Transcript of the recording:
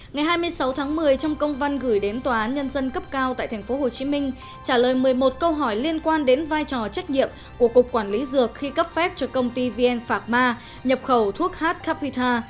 ngày hai mươi sáu tháng một mươi trong công văn gửi đến tòa án nhân dân cấp cao tại tp hcm trả lời một mươi một câu hỏi liên quan đến vai trò trách nhiệm của cục quản lý dược khi cấp phép cho công ty vn phạc ma nhập khẩu thuốc h capita